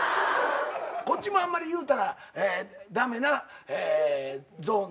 こっちもあんまり言うたら駄目なゾーンなんですか？